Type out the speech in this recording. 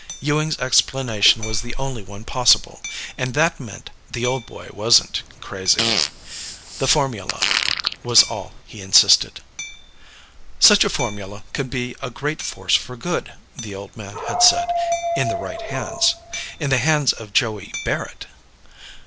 Ewing's explanation was the only one possible. And that meant the old boy wasn't crazy. The formula was all he insisted. Such a formula could be a great force for good, the old man had said. In the right hands. In the hands of Joey Barrett.